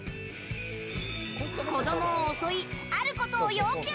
子供を襲い、あることを要求！